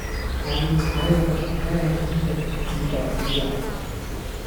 我要踩你個場呢，肯定唔止咁少人